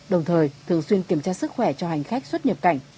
đồng thời thường xuyên kiểm tra sức khỏe cho hành khách xuất nhập cảnh